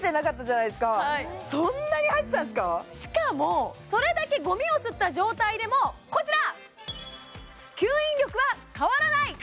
何もしかもそれだけゴミを吸った状態でもこちら！